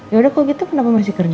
yaudah kalau gitu kenapa masih kerja